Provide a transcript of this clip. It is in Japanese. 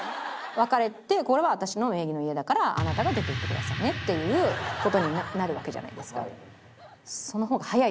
別れて「これは私の名義の家だからあなたが出て行ってくださいね」っていう事になるわけじゃないですか。